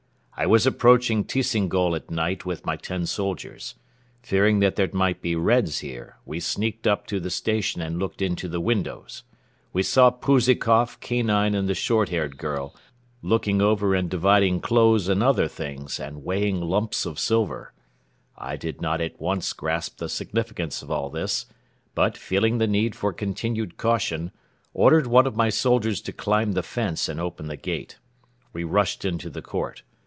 "I was approaching Tisingol at night with my ten soldiers. Fearing that there might be Reds here, we sneaked up to the station and looked into the windows. We saw Pouzikoff, Kanine and the short haired girl, looking over and dividing clothes and other things and weighing lumps of silver. I did not at once grasp the significance of all this; but, feeling the need for continued caution, ordered one of my soldiers to climb the fence and open the gate. We rushed into the court.